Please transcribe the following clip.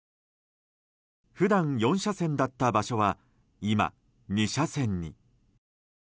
普段４車線だった場所は今、２車線に。